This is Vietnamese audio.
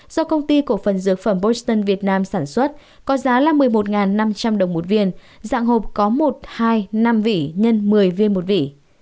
do công ty cổ phần dược phẩm boston việt nam sản xuất có giá là một mươi một năm trăm linh đồng một viên dạng hộp có một hai năm vỉ x một mươi viên một vỉ